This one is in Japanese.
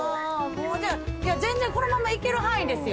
全然このまんまいける範囲ですよ。